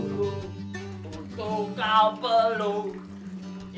tubuhku untuk kau peluk